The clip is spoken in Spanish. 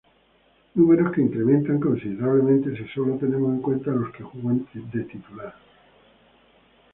Números que incrementan considerablemente si sólo tenemos en cuenta los que jugó de titular.